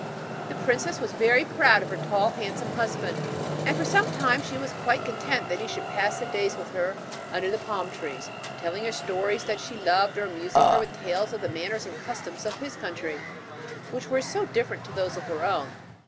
The princess was very proud of her tall handsome husband, and for some time she was quite content that he should pass the days with her under the palm trees, telling her the stories that she loved, or amusing her with tales of the manners and customs of his country, which were so different to those of her own.